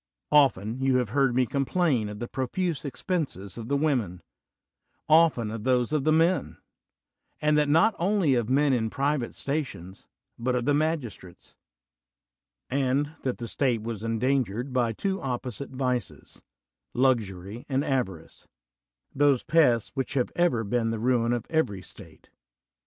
Often have you heard me complain of the profuse expenses of the women — often of those of the men; and that not only of men in private stations, but of the magistrates; and that tiie state was endangered by two opposite vices, luxury and avarice — those pests which have ever been the ruin of every state.